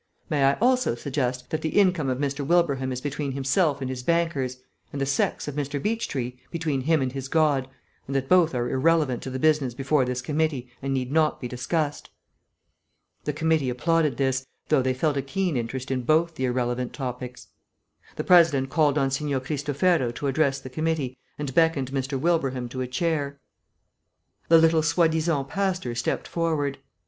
May I also suggest that the income of Mr. Wilbraham is between himself and his bankers, and the sex of Mr. Beechtree between him and his God, and that both are irrelevant to the business before this committee and need not be discussed." The committee applauded this, though they felt a keen interest in both the irrelevant topics. The President called on Signor Cristofero to address the committee, and beckoned Mr. Wilbraham to a chair. The little soi disant pastor stepped forward.